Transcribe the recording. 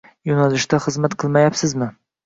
yo‘nalishda xizmat qilmayapmizmi?